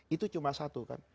itu cuma satu kan